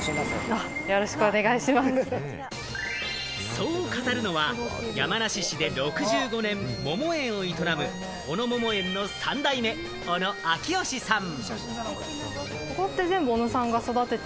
そう語るのは、山梨市で６５年間、桃桃園を営む小野桃園の３代目・小野晃良さん。